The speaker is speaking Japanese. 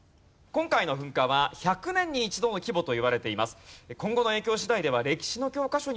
今回の噴火は１００年に一度の規模といわれています。